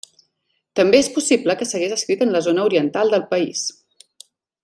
També és possible que s'hagués escrit en la zona oriental del país.